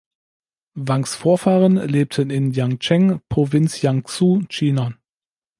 Wangs Vorfahren lebten in Yancheng, Provinz Jiangsu, China.